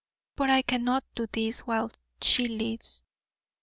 But I cannot do this while SHE lives.